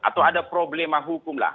atau ada problema hukum lah